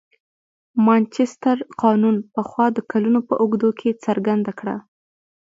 مانچستر قانون پخوا د کلونو په اوږدو کې څرګنده کړه.